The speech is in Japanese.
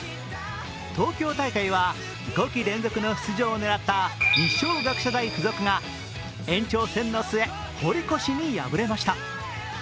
東京大会は５季連続の出場を狙った二松学舎大附属が延長戦の末堀越に敗れました。